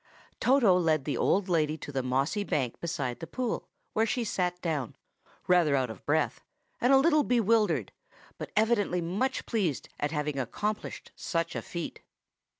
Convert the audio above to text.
Toto led the old lady to the mossy bank beside the pool, where she sat down, rather out of breath, and a little bewildered, but evidently much pleased at having accomplished such a feat.